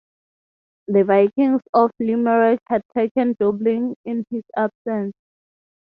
The Vikings of Limerick had taken Dublin in his absence.